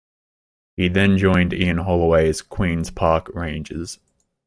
He then joined Ian Holloway's Queens Park Rangers.